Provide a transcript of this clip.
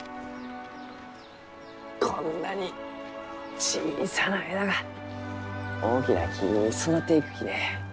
こんなに小さな枝が大きな木に育っていくきね。